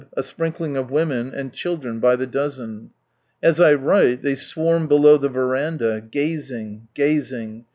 a sprinkling of women, and children by the dozen. As I write they swarm below the verandah, gazing, gazing.